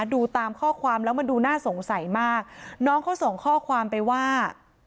ดูตามข้อความแล้วมันดูน่าสงสัยมากน้องเขาส่งข้อความไปว่า